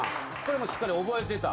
しっかり覚えてた？